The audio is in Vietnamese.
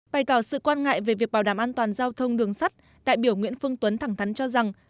bày tỏ sự quan ngại về việc bảo đảm an toàn giao thông đường sắt đại biểu nguyễn phương tuấn thẳng thắn cho rằng